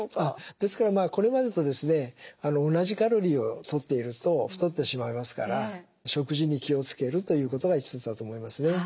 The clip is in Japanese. ですからこれまでと同じカロリーをとっていると太ってしまいますから食事に気を付けるということが一つだと思いますね。